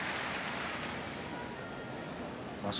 場所